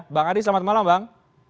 bang adi selamat malam bang